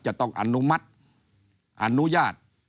จะต้องอนุมัติอนุญาต